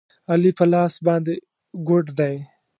علي په لاس باندې ګوډ دی.